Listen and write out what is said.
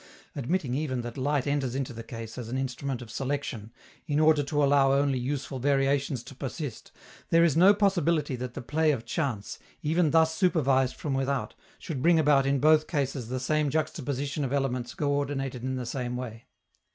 Admitting even that light enters into the case as an instrument of selection, in order to allow only useful variations to persist, there is no possibility that the play of chance, even thus supervised from without, should bring about in both cases the same juxtaposition of elements coördinated in the same way.